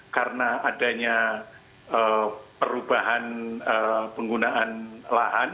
karena adanya perubahan penggunaan lahan